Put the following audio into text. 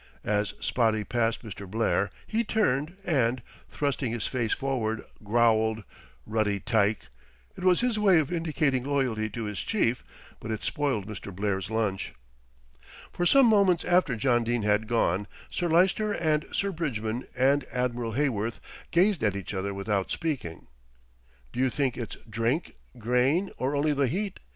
As Spotty passed Mr. Blair he turned and, thrusting his face forward, growled, "Ruddy tyke." It was his way of indicating loyalty to his chief; but it spoiled Mr. Blair's lunch. For some moments after John Dene had gone, Sir Lyster and Sir Bridgman and Admiral Heyworth gazed at each other without speaking. "Do you think it's drink, Grayne, or only the heat?"